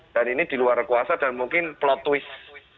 dan ini di luar kuasa dan mungkin plot twist